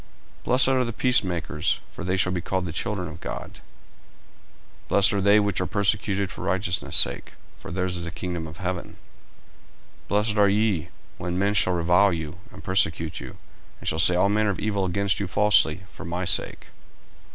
40:005:009 Blessed are the peacemakers: for they shall be called the children of God. 40:005:010 Blessed are they which are persecuted for righteousness' sake: for theirs is the kingdom of heaven. 40:005:011 Blessed are ye, when men shall revile you, and persecute you, and shall say all manner of evil against you falsely, for my sake.